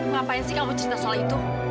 ngapain sih kalau cerita soal itu